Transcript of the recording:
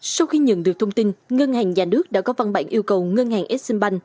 sau khi nhận được thông tin ngân hàng già nước đã có văn bản yêu cầu ngân hàng exxonbank